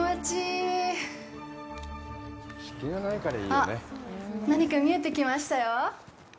あっ、何か見えてきましたよ。